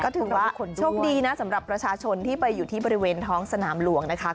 ถือว่าโชคดีนะสำหรับประชาชนที่ไปอยู่ที่บริเวณท้องสนามหลวงนะคะ